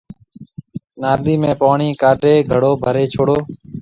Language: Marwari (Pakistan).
نادِي ۾ پاڻِي ڪاڍي گھڙو ڀرَي ڇوڙو